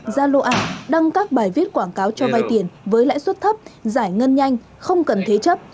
ra lô ảnh đăng các bài viết quảng cáo cho vay tiền với lãi suất thấp giải ngân nhanh không cần thế chấp